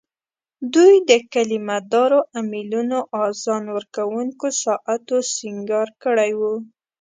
دوی د کلیمه دارو امېلونو، اذان ورکوونکو ساعتو سینګار کړي وو.